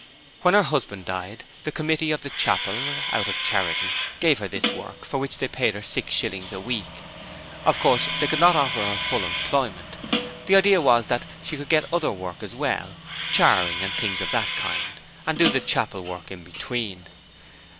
When her husband died, the committee of the Chapel, out of charity, gave her this work, for which they paid her six shillings a week. Of course, they could not offer her full employment; the idea was that she could get other work as well, charing and things of that kind, and do the Chapel work in between.